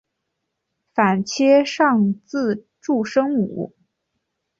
反切上字注声母。